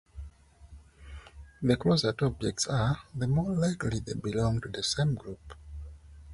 The closer two objects are, the more likely they belong to the same group.